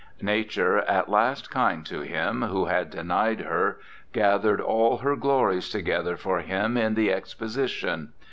Nature, at last kind to him who had denied her, gathered all her glories to gether for him in the Exposition.